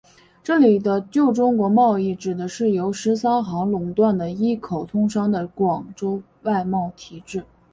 这里的旧中国贸易指的是由十三行垄断的一口通商的广州外贸体制。